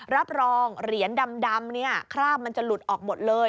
รับรองเหรียญดำคราบมันจะหลุดออกหมดเลย